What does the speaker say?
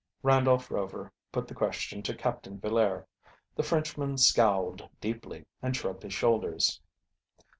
Randolph Rover put the question to Captain Villaire. The Frenchman scowled deeply and shrugged his shoulders.